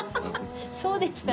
そうでしたね。